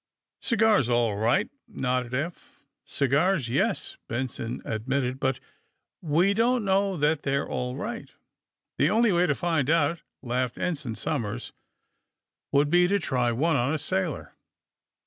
*^ Cigars, all right,'' nodded Eph. *^ Cigars, yes," Benson admitted, ^^but we don't know that they're all right." ^'The only way to find out," laughed Ensign Somers, *^ would be to try one on a sailor."